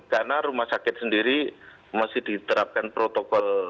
karena rumah sakit sendiri masih diterapkan protokol